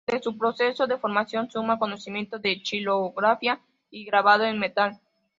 Durante su proceso de formación, suma conocimiento de xilografía y grabado en metal.